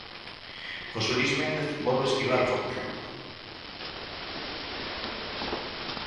José Luis Méndez volve esquivar o foco público.